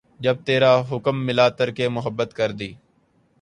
جب ترا حکم ملا ترک محبت کر دی